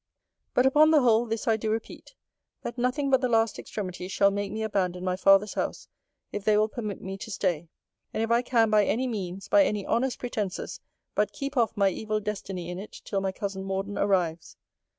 But, upon the whole, this I do repeat That nothing but the last extremity shall make me abandon my father's house, if they will permit me to stay; and if I can, by any means, by any honest pretences, but keep off my evil destiny in it till my cousin Morden arrives.